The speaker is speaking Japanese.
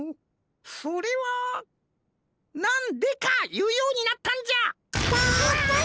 それは「なん『デカ』」いうようになったんじゃ！